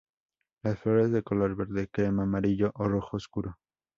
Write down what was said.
Las flores de color verde-crema-amarillo o rojo oscuro.